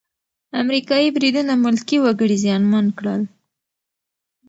امریکايي بریدونه ملکي وګړي زیانمن کړل.